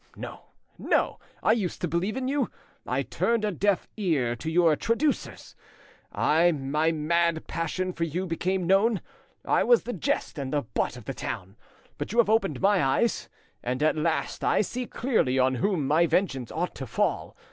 No, no! I used to believe in you; I turned, a deaf ear to your traducers. My mad passion for you became known; I was the jest and the butt of the town. But you have opened my eyes, and at last I see clearly on whom my vengeance ought to fall.